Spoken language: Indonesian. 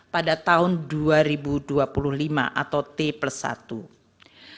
pada tahun dua ribu dua puluh lima atau t plus satu